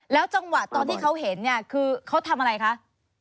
จังหวะตอนที่เขาเห็นเนี่ยคือเขาทำอะไรคะ